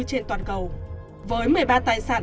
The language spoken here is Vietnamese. trên toàn cầu với một mươi ba tài sản